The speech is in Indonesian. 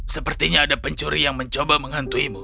sepertinya ada pencuri yang mencoba menghantuimu